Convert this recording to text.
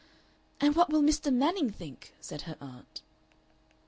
"And what will Mr. Manning think?" said her aunt.